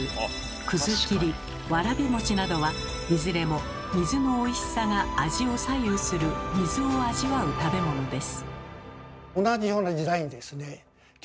「くずきり」「わらびもち」などはいずれも水のおいしさが味を左右する水を味わう食べ物です。